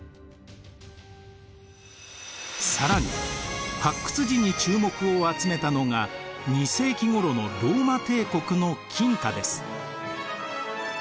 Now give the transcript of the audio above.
更に発掘時に注目を集めたのが２世紀ごろのローマ帝国の金貨です。